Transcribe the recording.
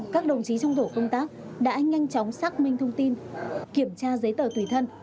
các đồng chí trong tổ công tác đã nhanh chóng xác minh thông tin kiểm tra giấy tờ tùy thân